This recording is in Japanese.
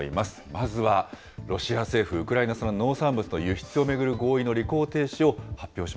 まずは、ロシア政府、ウクライナ産の農産物の輸出を巡る合意の履